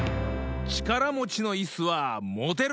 ちからもちのいすはもてる！